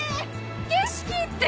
景色って！